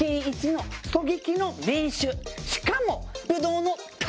しかも。